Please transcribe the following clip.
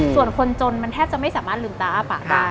ส่วนคนจนมันแทบจะไม่สามารถลืมตาอ้าปากได้